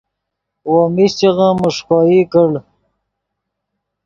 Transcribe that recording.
وو میشچغے میݰکوئی کڑ